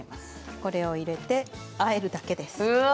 これを入れてあえるだけです。